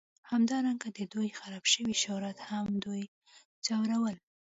همدارنګه د دوی خراب شوي شهرت هم دوی ځورول